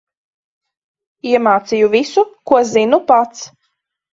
Iemācīju visu, ko zinu pats.